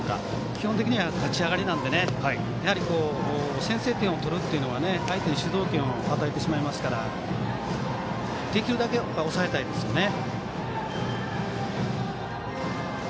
基本的に立ち上がりなので先制点を取られるというのは相手に主導権を与えてしまいますからできるだけ抑えたいですね。